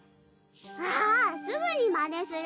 わぁすぐにまねする。